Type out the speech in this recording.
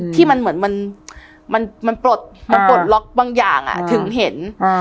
ที่มันเหมือนมันมันมันปลดอ่ามันปลดล็อกบางอย่างอ่ะถึงเห็นอ่า